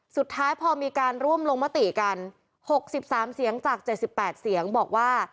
สุดท้ายพอมีการร่วมลงมติกัน๖๓เสียงจาก๗๘เสียงบอกว่า